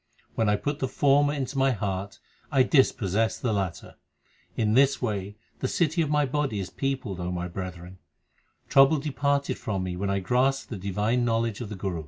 When I put the former into my heart, I dispossess the latter. In this way the city of my body is peopled, O my brethren. Trouble departed from me when I grasped the divine knowledge of the Guru.